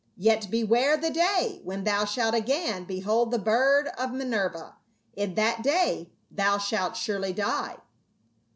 Yet, beware the day when thou shalt again behold the bird of Minerva ; in that day thou shalt surely die."